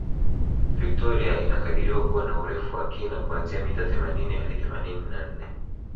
Victoria inakadiriwa kuwa na Urefu wa kina kuanzia mita themanini hadi themanini na nne